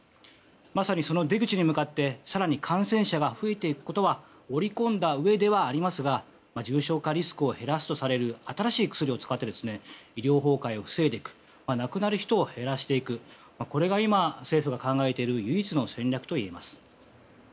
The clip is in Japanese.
まさにその出口に向かって更に感染者が増えていくことは織り込んだうえではありますが重症化リスクを減らすとされる新しい薬を使って医療崩壊を防いでいく亡くなる人を減らしていくこれが今政府が考えている唯一の戦略といえます。